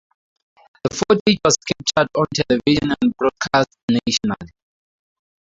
The footage was captured on television and broadcast nationally.